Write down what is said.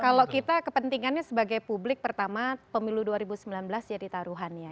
kalau kita kepentingannya sebagai publik pertama pemilu dua ribu sembilan belas jadi taruhannya